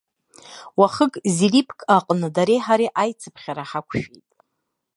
Уахык зерибк аҟны дареи ҳареи аицыԥхьара ҳақәшәеит.